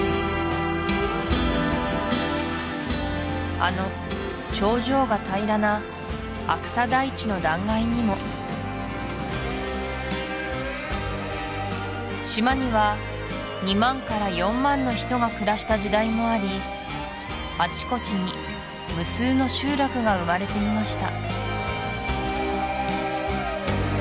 あの頂上が平らなアクサ台地の断崖にも島には２万から４万の人が暮らした時代もありあちこちに無数の集落が生まれていました